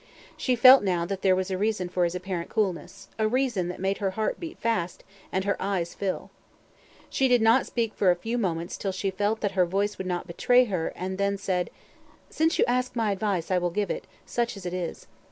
She felt now that there was a reason for his apparent coolness a reason that made her heart beat fast and her eyes fill. She did not speak for a few moments till she felt that her voice would not betray her, and then said: "Since you ask my advice, I will give it, such as it is.